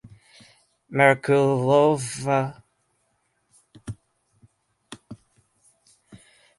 Merkulovka is the nearest rural locality.